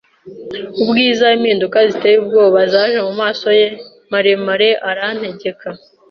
ubwiza, impinduka ziteye ubwoba zaje mumaso ye maremare, arantegeka